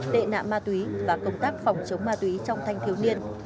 tệ nạn ma túy và công tác phòng chống ma túy trong thanh thiếu niên